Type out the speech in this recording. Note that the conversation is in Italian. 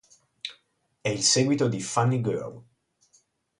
È il seguito di "Funny Girl".